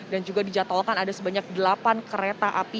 dan juga dijatuhkan ada sebanyak delapan kereta api